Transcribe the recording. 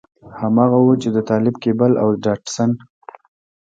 هماغه و چې د طالب کېبل او ډاټسن.